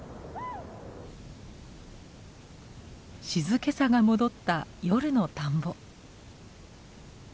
静けさが戻った夜の田んぼ。